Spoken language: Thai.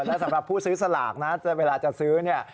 แล้วสำหรับผู้ซื้อสลากนะเวลาจะซื้อ